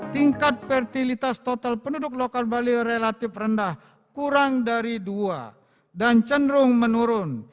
tingkat fertilitas total penduduk lokal bali relatif rendah kurang dari dua dan cenderung menurun